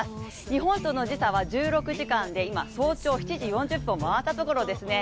日本との時差は１６時間で今早朝７時４０分を回ったところですね。